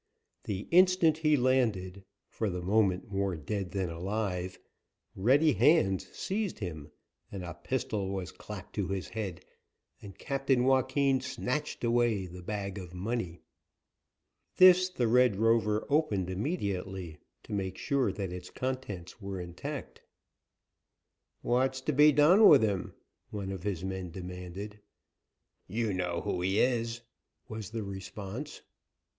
The instant he landed, for the moment more dead than alive, ready hands seized him and a pistol was clapped to his head, and Captain Joaquin snatched away the bag of money. This the Red Rover opened immediately, to make sure that its contents were intact. "What is to be done with him?" one of his men demanded. "You know who he is," was the response.